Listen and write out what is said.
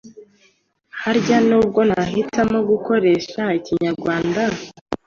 Harya nubwo nahitamo gukoresha ikinyarwanda